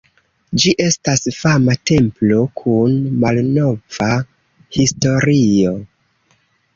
Ĝi estas fama templo kun malnova historio.